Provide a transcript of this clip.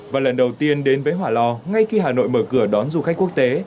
và lần đầu tiên đến với hỏa lò ngay khi hà nội mở cửa đón du khách quốc tế